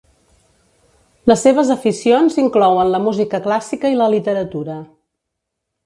Les seves aficions inclouen la música clàssica i la literatura.